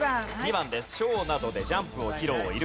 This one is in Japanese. ショーなどでジャンプを披露。